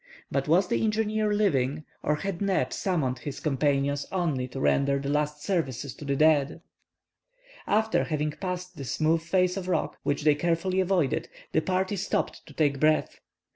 But was the engineer living, or had Neb summoned his companions only to render the last services to the dead? After having passed the smooth face of rock, which they carefully avoided, the party stopped to take breath.